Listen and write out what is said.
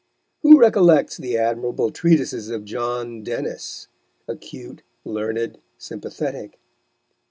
Who recollects the admirable treatises of John Dennis, acute, learned, sympathetic?